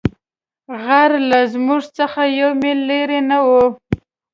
غر له موږ څخه یو مېل لیرې نه وو.